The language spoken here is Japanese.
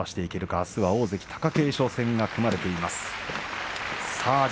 あすは大関貴景勝戦が組まれています。